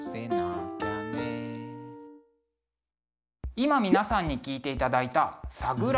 今皆さんに聴いていただいた「サグラダ・編みリア」。